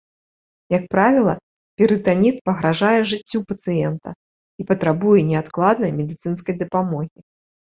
Як правіла, перытаніт пагражае жыццю пацыента і патрабуе неадкладнай медыцынскай дапамогі.